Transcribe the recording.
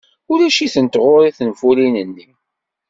Ulac-itent ɣer-i tenfulin-nni.